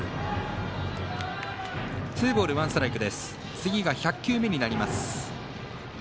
次が１００球目になります。